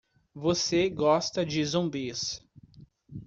Você gosta de zumbis.